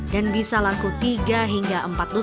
dan bisa laku tiga hingga